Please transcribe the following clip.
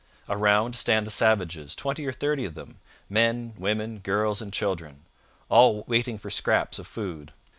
Around stand the savages, twenty or thirty of them, 'men, women, girls, and children,' all waiting for scraps of food.